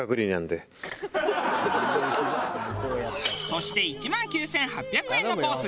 そして１万９８００円のコース